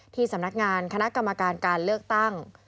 สำนักงานคณะกรรมการการเลือกตั้ง